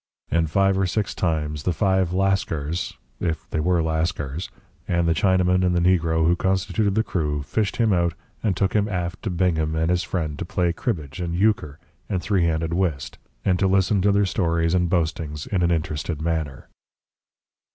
And five or six times the five Lascars if they were Lascars and the Chinaman and the negro who constituted the crew, fished him out and took him aft to Bingham and his friend to play cribbage and euchre and three anded whist, and to listen to their stories and boastings in an interested manner.